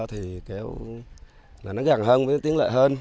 thì nó gẳng hơn với tiếng lệ hơn